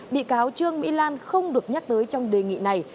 bị cáo trương mỹ lan không được nhắc tới trong đề nghị này